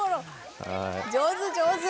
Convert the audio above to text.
上手、上手。